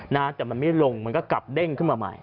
นะแต่มันไม่ลงมันก็กลับเด้งขึ้นมาใหม่